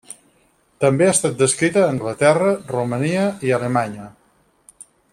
També ha estat descrita a Anglaterra, Romania i Alemanya.